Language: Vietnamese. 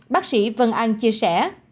bác sĩ vân anh chia sẻ